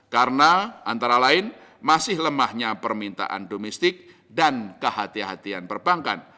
karena antara lain masih lemahnya permintaan domestik dan kehati hatian perbankan